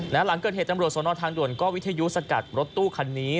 หลังเกิดเหตุตำรวจสนทางด่วนก็วิทยุสกัดรถตู้คันนี้